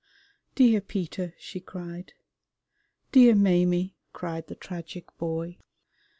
"Dear Peter!" she cried. "Dear Maimie!" cried the tragic boy.